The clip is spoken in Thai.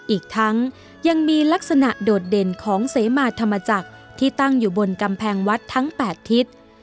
อีกทั้งยังมีลักษณะโดดเด่นของเสมาธรรมจักรที่ตั้งอยู่บนกำแพงวัดทั้ง๘ทิศ